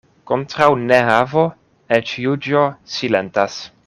Kontraŭ nehavo eĉ juĝo silentas.